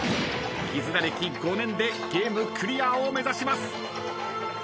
絆歴５年でゲームクリアを目指します。